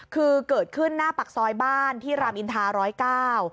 คือเกิดขึ้นหน้าปากซอยบ้านที่รามอินทา๑๐๙